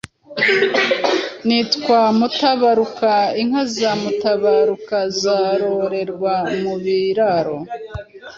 Nitwa Mutabaruka. Inka za Mutabaruka zororerwa mu biraro.